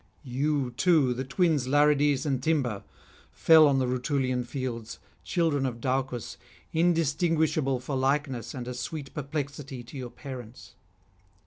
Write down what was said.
You, too, the twins Larides and Thymber, fell on the Rutulian fields, children of Daucus, indistinguishable for likeness and a sweet perplexity to your parents.